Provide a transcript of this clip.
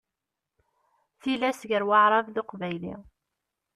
Tilas gar Waεrab d Uqbayli.